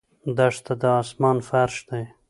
دښته د آسمان فرش دی.